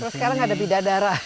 terus sekarang ada bidadara